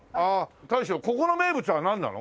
大将ここの名物はなんなの？